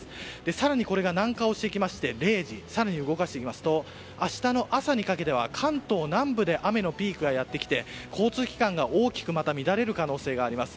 更にこれが南下してきまして０時、更に動かしていきますと明日の朝にかけては関東南部で雨のピークがやってきて交通機関が大きく乱れる可能性があります。